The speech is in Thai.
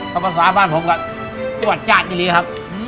คำภาษาบ้านผมก็จ้าช่าจริริครับ